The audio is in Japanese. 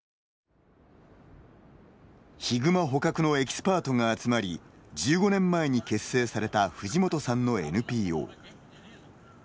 ヒグマ捕獲のエキスパートが集まり１５年前に結成された藤本さんのＮＰＯ。